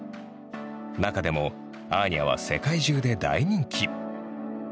中でもアーニャは世界中で大人気。